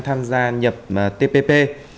tham gia nhập tpp